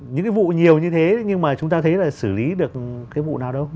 những cái vụ nhiều như thế nhưng mà chúng ta thấy là xử lý được cái vụ nào đâu